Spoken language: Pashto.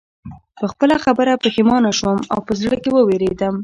په خپله خبره پښېمانه شوم او په زړه کې ووېرېدم